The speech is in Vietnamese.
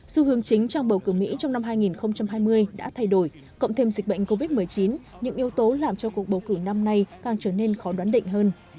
xu hướng chính trong bầu cử mỹ trong năm hai nghìn hai mươi đã thay đổi cộng thêm dịch bệnh covid một mươi chín những yếu tố làm cho cuộc bầu cử năm nay càng trở nên khó đoán định hơn